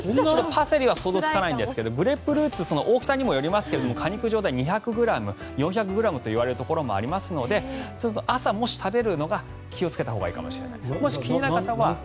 パセリは想像つかないんですがグレープフルーツは大きさにもよりますけど果肉によって２００ｇ４００ｇともいわれますので朝、もし食べるなら気をつけたほうがいいかもしれない。